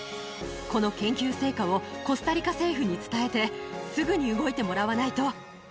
この研究成果をコスタリカ政府に伝えて、すぐに動いてもらわないと。